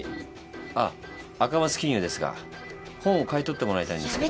あっ赤松金融ですが本を買い取ってもらいたいんですけど。